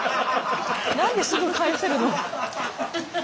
何ですぐ返せるの？